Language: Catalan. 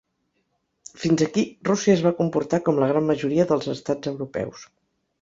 Fins aquí Rússia es va comportar com la gran majoria dels estats europeus.